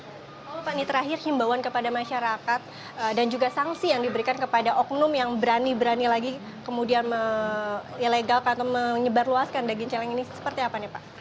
lalu pak ini terakhir himbauan kepada masyarakat dan juga sanksi yang diberikan kepada oknum yang berani berani lagi kemudian melelegalkan atau menyebarluaskan daging celeng ini seperti apa nih pak